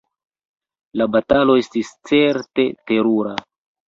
La batalo estis certe terura!